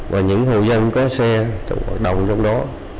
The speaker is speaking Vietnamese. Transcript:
và những hồ dân có xe hoạt động trong đó